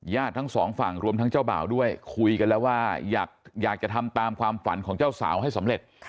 ทั้งสองฝั่งรวมทั้งเจ้าบ่าวด้วยคุยกันแล้วว่าอยากจะทำตามความฝันของเจ้าสาวให้สำเร็จ